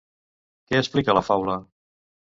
Què explica la faula?